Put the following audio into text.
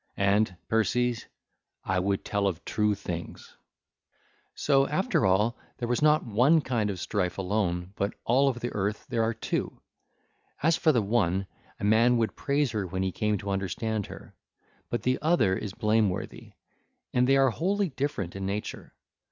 And I, Perses, would tell of true things. (ll. 11 24) So, after all, there was not one kind of Strife alone, but all over the earth there are two. As for the one, a man would praise her when he came to understand her; but the other is blameworthy: and they are wholly different in nature.